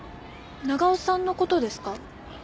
長尾さんの事ですか？